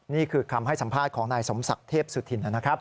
นี่คือคำให้สัมภาษณ์ของนายสมศักดิ์เทพสุธินนะครับ